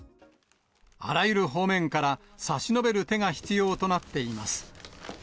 あらゆる方面から差し伸べる手が必要となっています。